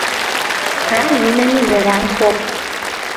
Ар и нэми зэран хуохъу.